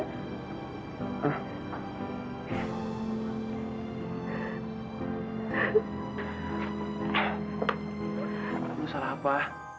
lu salah apa